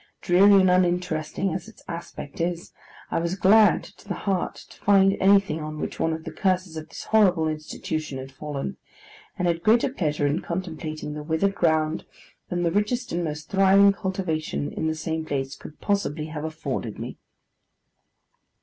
Dreary and uninteresting as its aspect is, I was glad to the heart to find anything on which one of the curses of this horrible institution has fallen; and had greater pleasure in contemplating the withered ground, than the richest and most thriving cultivation in the same place could possibly have afforded me.